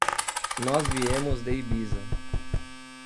Nós viemos de Ibiza.